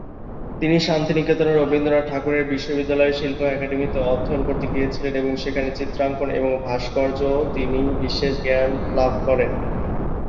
তিনি শান্তিনিকেতনে রবীন্দ্রনাথ ঠাকুরের বিশ্ববিদ্যালয়ে শিল্প একাডেমিতে অধ্যয়ন করতে গিয়েছিলেন এবং সেখানে চিত্রাঙ্কন এবং ভাস্কর্য তিনি বিশেষ জ্ঞান লাভ করেন।